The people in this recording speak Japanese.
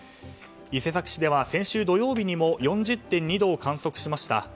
伊勢崎市では先週土曜日にも４０．２度を観測しました。